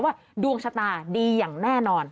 ว่าดวงชะตาดีอย่างแน่นอน